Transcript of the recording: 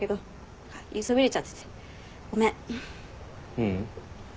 ううん。